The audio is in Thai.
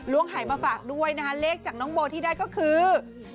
ล้วงให้มาฝากด้วยนะคะเลขจากน้องโบที่ได้ก็คือ๕๖๗